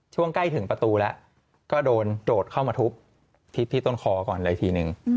ใกล้ถึงประตูแล้วก็โดนโดดเข้ามาทุบที่ต้นคอก่อนเลยทีนึง